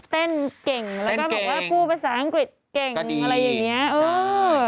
เต้นเก่งแล้วก็บอกว่าพูดภาษาอังกฤษเก่งอะไรอย่างนี้